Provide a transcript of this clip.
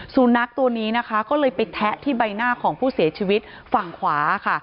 สุนัขตัวนี้นะคะก็เลยไปแทะที่ใบหน้าของผู้เสียชีวิตฝั่งขวาค่ะ